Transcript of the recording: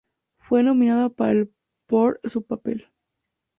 Fue nominada para el por su papel.